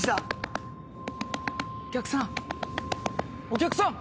お客さん？